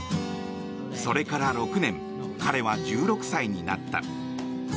それから６年彼は１６歳になった。